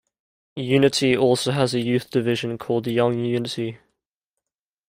Unity also has a youth division, called Young Unity.